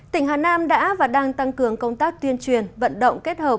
tỉnh hà nam đã và đang tăng cường công tác tuyên truyền vận động kết hợp